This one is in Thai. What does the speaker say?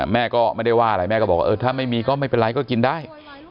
แม่ก็ไม่ได้ว่าอะไรแม่ก็บอกว่าถ้าไม่มีก็ไม่เป็นไรก็กินได้